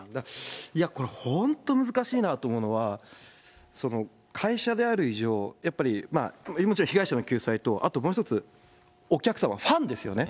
いやこれ、本当難しいなと思うのは、会社である以上、やっぱりまあ、もちろん被害者の救済と、あともう一つ、お客様、ファンですよね、